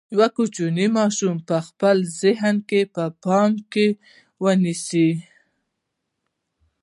یو کوچنی ماشوم په خپل ذهن کې په پام کې ونیسئ.